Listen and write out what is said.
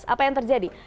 apa yang terjadi